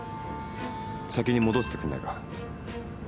先に戻っててくんないか。